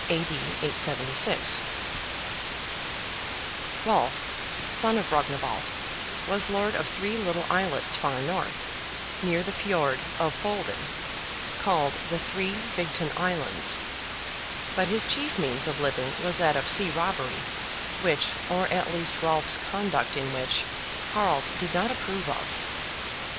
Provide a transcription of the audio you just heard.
D. 876?). Rolf, son of Rognwald, was lord of three little islets far north, near the Fjord of Folden, called the Three Vigten Islands; but his chief means of living was that of sea robbery; which, or at least Rolf's conduct in which, Harald did not approve of.